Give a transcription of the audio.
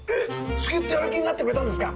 助っ人やる気になってくれたんですか？